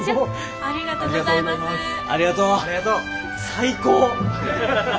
最高！